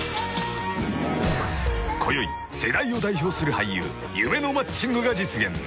［こよい世代を代表する俳優夢のマッチングが実現］